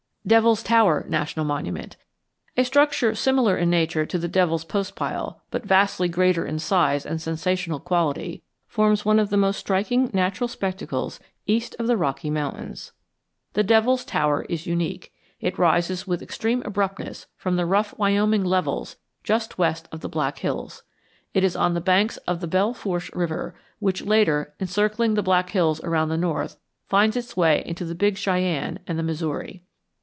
DEVIL'S TOWER NATIONAL MONUMENT A structure similar in nature to the Devil's Postpile, but vastly greater in size and sensational quality, forms one of the most striking natural spectacles east of the Rocky Mountains. The Devil's Tower is unique. It rises with extreme abruptness from the rough Wyoming levels just west of the Black Hills. It is on the banks of the Belle Fourche River, which later, encircling the Black Hills around the north, finds its way into the Big Cheyenne and the Missouri.